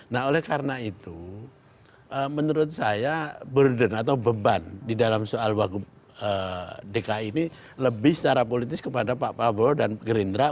nah oleh karena itu menurut saya burden atau beban di dalam soal wagub dki ini lebih secara politis kepada pak prabowo dan gerindra